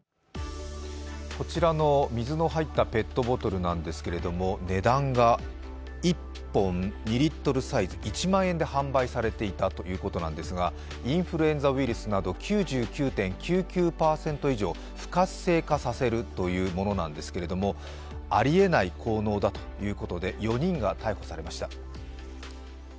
こちらの水の入ったペットボトルなんですけれども値段が１本２リットルサイズ１万円で販売されていたということなんですが、インフルエンザウイルスなど９９．９９９％以上不活性化させるというものなんですがあり得ない効能だということで４人が逮捕されました。